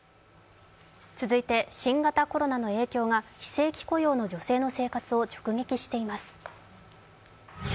続いて新型コロナの影響が、非正規雇用の女性の生活を直撃しています。